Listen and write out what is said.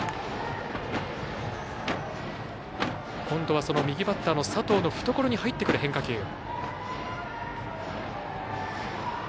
今度は右バッターの佐藤の懐に入ってくる変化球。